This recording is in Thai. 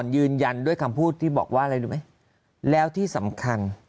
ยืนยันด้วยคำพูดที่บอกว่าอะไรรู้ไหมแล้วที่สำคัญ